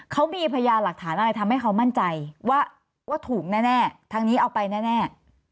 เขามีพยานหลักฐานอะไรทำให้เขามั่นใจว่าถูกแน่ทางนี้เอาไปแน่